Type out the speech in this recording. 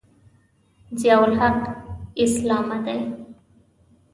ضیأالحق اسلامه دی.